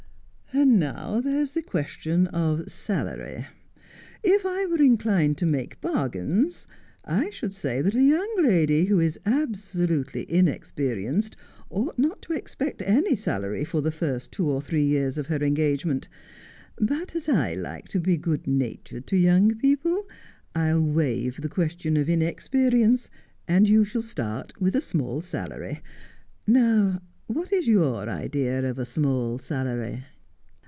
' And now there is the question of salary. If I were inclined to make bargains I should say that a young lady who is abso lutely inexperienced ought not to expect any salary for the first two or three years of her engagement ; but as I like to be good natured to young people, I'll waive the question of inexperience, and you shall start with a small salary. Now, what is your idea of a small salary